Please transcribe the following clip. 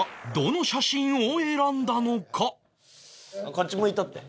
こっち向いとって。